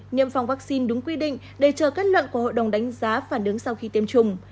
tiêm phòng vaccine đúng quy định để chờ kết luận của hội đồng đánh giá phản ứng sau khi tiêm chủng